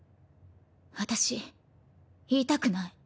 私言いたくない。